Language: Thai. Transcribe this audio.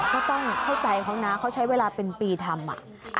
ก็ต้องเข้าใจเขานะเขาใช้เวลาเป็นปีทำ